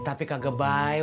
tapi kagak baik